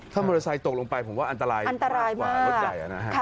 ถ้ามอเตอร์ไซค์ตกลงไปผมว่าอันตรายอันตรายกว่ารถใหญ่นะฮะ